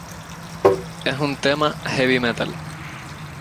Es un tema "heavy metal".